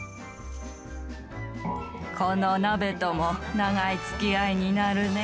この鍋とも長いつきあいになるね。